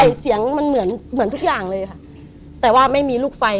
เสียงมันเหมือนเหมือนทุกอย่างเลยค่ะแต่ว่าไม่มีลูกไฟ